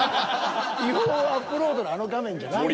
違法アップロードのあの画面じゃないです。